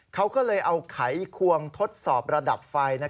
เขาก็เลยเอาไขควงทดสอบระดับไฟ